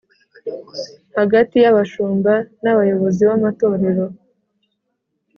hagati y Abashumba n Abayobozi b amatorero